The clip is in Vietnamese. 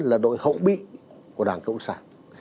là đội hậu bị của đảng cộng sản